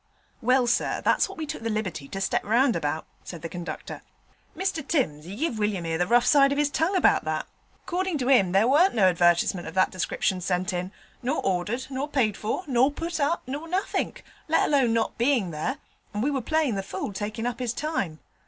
'Well, sir, that's what we took the liberty to step round about,' said the conductor. 'Mr Timms 'e give William 'ere the rough side of his tongue about that: 'cordin' to 'im there warn't no advertisement of that description sent in, nor ordered, nor paid for, nor put up, nor nothink, let alone not bein' there, and we was playing the fool takin' up his time.